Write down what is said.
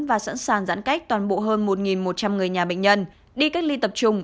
và sẵn sàng giãn cách toàn bộ hơn một một trăm linh người nhà bệnh nhân đi cách ly tập trung